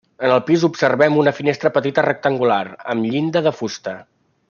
En el pis observem una finestra petita rectangular amb llinda de fusta.